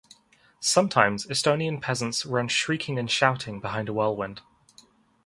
Sometimes Estonian peasants run shrieking and shouting behind a whirlwind.